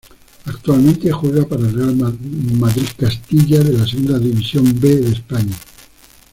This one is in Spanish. Actualmente juega para el Real Madrid Castilla de la Segunda División B de España.